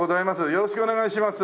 よろしくお願いします。